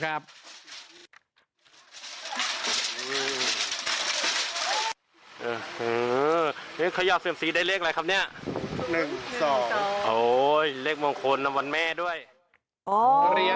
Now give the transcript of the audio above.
เลขมงคลวันแม่ได้เลย